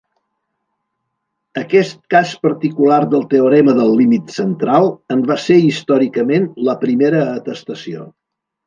Aquest cas particular del teorema del límit central en va ser històricament la primera atestació.